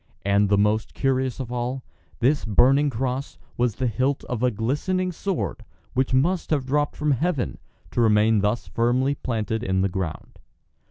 And the most curious of all, this burning cross was the hilt of a glistening sword which must have dropped from heaven, to remain thus firmly planted in the ground.